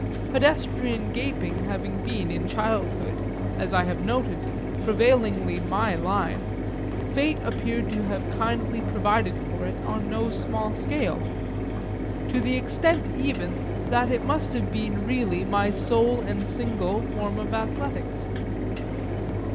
Pedestrian gaping having been in childhood, as I have noted, prevailingly my line, fate appeared to have kindly provided for it on no small scale; to the extent even that it must have been really my sole and single form of athletics.